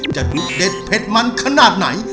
จะดุดเด็ดเพชรมันขนาดไหน